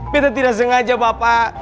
bete tidak sengaja bapak